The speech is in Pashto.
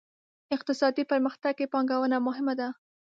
اقتصادي پرمختګ کې پانګونه مهمه ده.